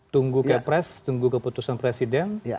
tunggu kepres tunggu keputusan presiden